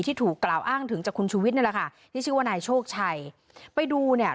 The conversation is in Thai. ถูกกล่าวอ้างถึงจากคุณชูวิทย์นี่แหละค่ะที่ชื่อว่านายโชคชัยไปดูเนี่ย